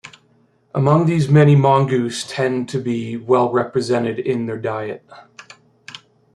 Among these many mongoose tend to be well represented in their diet.